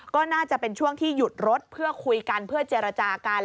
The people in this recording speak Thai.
ก็น่าจะเป็นช่วงที่หยุดรถเพื่อคุยกันเพื่อเจรจากัน